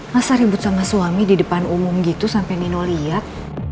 masa ribut sama suami di depan umum gitu sampe nih nuh liat